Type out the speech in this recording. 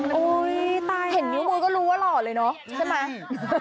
โอ๊ยตายแล้วเห็นนิ้วมือก็รู้ว่าหล่อเลยเนาะใช่ไหมใช่